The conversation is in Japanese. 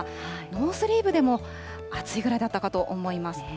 ノースリーブでも暑いぐらいだったかと思います。